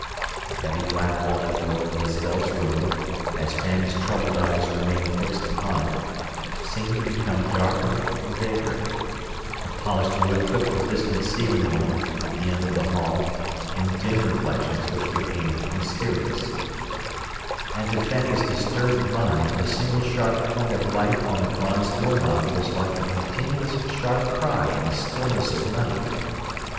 The heavy black walnut door of Isabel's room, as Fanny's troubled eyes remained fixed upon it, seemed to become darker and vaguer; the polished wood took the distant ceiling light, at the end of the hall, in dim reflections which became mysterious; and to Fanny's disturbed mind the single sharp point of light on the bronze door knob was like a continuous sharp cry in the stillness of night.